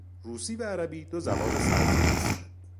روسی و عربی دو زبان صرفی هستند.